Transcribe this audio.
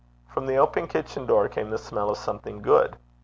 From the open kitchen door came the smell of something good.